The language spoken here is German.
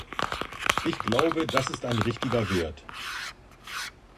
Ich glaube, das ist ein richtiger Wert.